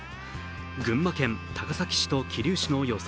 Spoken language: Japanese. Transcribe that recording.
群馬県高崎市と桐生市の予想